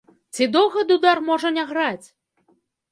Ці доўга дудар можа не граць?